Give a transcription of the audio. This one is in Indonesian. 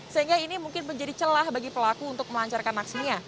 sehingga ini mungkin menjadi celah bagi pelaku untuk melancarkan aksinya